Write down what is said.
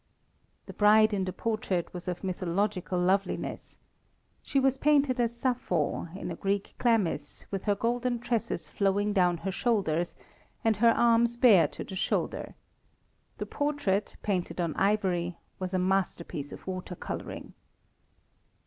The bride in the portrait was of mythological loveliness. She was painted as Sappho, in a Greek chlamys, with her golden tresses flowing down her shoulders, and her arms bare to the shoulder. The portrait, painted on ivory, was a masterpiece of water colouring.